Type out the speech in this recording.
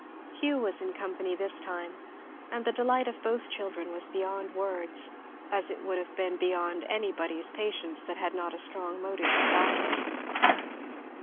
Hugh was in company this time, and the delight of both children was beyond words, as it would have been beyond anybody's patience that had not a strong motive to back it.